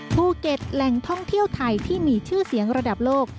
ภูเก็ตแหล่งท่องเที่ยวไทยที่มีชื่อเสียงระดับโลก